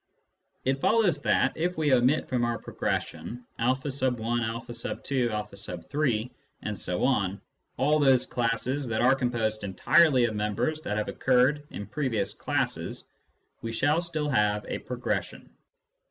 It follows that, if we omit from our progression a x , a 2 , a 3 ,... all those classes that are composed entirely of members that have occurred in previous classes, we shall still have a progression.